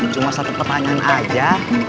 cuma satu pertanyaan aja